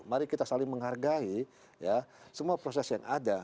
mari kita saling menghargai semua proses yang ada